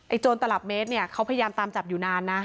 โจรตลับเมตรเนี่ยเขาพยายามตามจับอยู่นานนะ